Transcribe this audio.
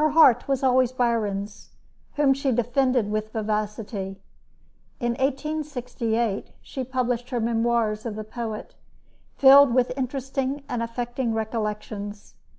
Her heart was always Byron's, whom she defended with vivacity. In 1868, she published her memoirs of the poet, filled with interesting and affecting recollections.